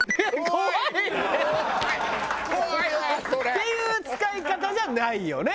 っていう使い方じゃないよね。